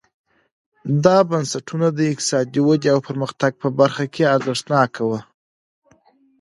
دا بنسټونه د اقتصادي ودې او پرمختګ په برخه کې ارزښتناک وو.